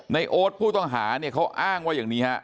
โอ๊ตผู้ต้องหาเนี่ยเขาอ้างว่าอย่างนี้ฮะ